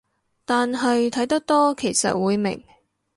但係睇得多其實會明